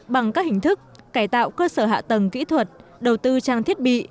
bằng các hình thức cải tạo cơ sở hạ tầng kỹ thuật đầu tư trang thiết bị